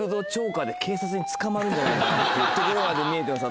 んじゃないかっていうところまで見えてます